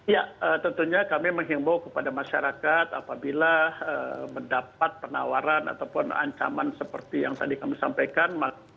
ya tentunya kami menghimbau kepada masyarakat apabila mendapat penawaran ataupun ancaman seperti yang tadi kami sampaikan